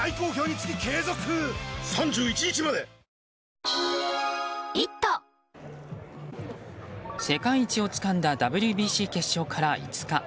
あふっ世界一をつかんだＷＢＣ決勝から５日。